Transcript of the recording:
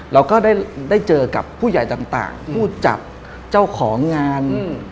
เราก็ได้เจอกับผู้ใหญ่ต่างผู้จับเจ้าของงาน